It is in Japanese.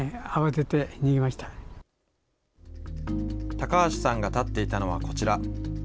高橋さんが立っていたのはこちら。